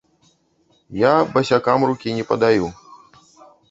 Я басякам рукі не падаю.